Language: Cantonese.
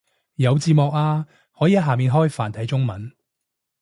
有字幕啊，可以喺下面開繁體中文